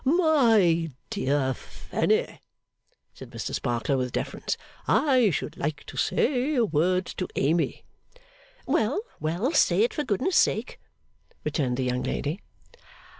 'My dear Fanny,' said Mr Sparkler, with deference, 'I should like to say a word to Amy.' 'Well, well! Say it for goodness' sake,' returned the young lady.